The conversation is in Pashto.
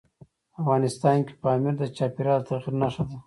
افغانستان کې پامیر د چاپېریال د تغیر نښه ده.